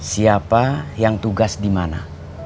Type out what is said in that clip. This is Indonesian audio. siapa yang tugas di mana